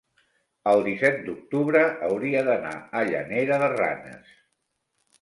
El disset d'octubre hauria d'anar a Llanera de Ranes.